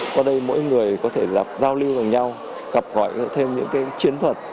qua đây mỗi người có thể giao lưu với nhau gặp gọi thêm những chiến thuật